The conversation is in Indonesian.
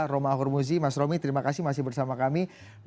roma hormuzi mas romy terima kasih masih bersama kami